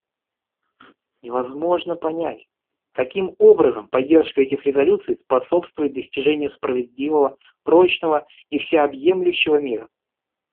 Невозможно понять, каким образом поддержка этих резолюций способствует достижению справедливого, прочного и всеобъемлющего мира.